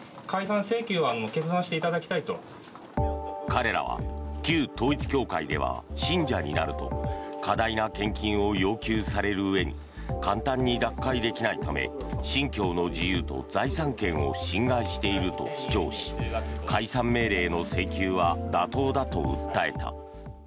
彼らは旧統一教会では信者になると過大な献金を要求されるうえに簡単に脱会できないため信教の自由と財産権を侵害していると主張し解散命令の請求は妥当だと訴えた。